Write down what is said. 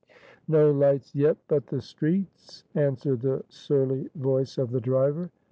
"No lights yet but the street's," answered the surly voice of the driver.